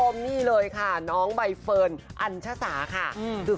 แบบว่าน้องใบเฟิร์นเป็นคนใต้หรอ